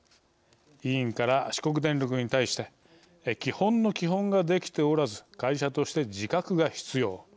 委員から四国電力に対して基本の基本ができておらず会社として自覚が必要。